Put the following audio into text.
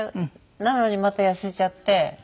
なのにまた痩せちゃって。